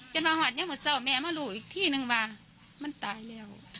จนว่าหวัดนี้มันเซาแม่มารู้อีกที่หนึ่งว่ามันตายแล้ว